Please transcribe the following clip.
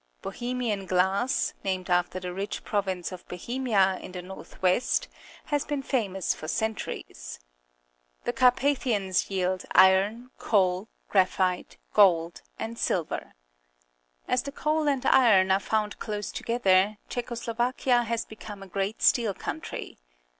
Bohemian glass, named after the rich pro\dnce of Bohemia in the north west, has been famous for centuries. The Carpa 190 PUBLIC SCHOOL GEOGRAPHY thians jaeld iron, coal, graphite, gold, and silver. As the coal and iron are found close together, Czecho Slovakia has become a great steel count rj'.